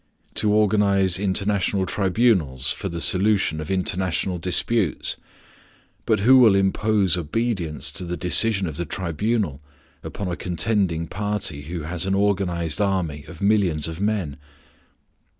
To organize international tribunals for the solution of international disputes? But who will impose obedience to the decision of the tribunal upon a contending party who has an organized army of millions of men?